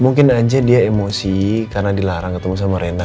mungkin aja dia emosi karena dilarang ketemu sama rena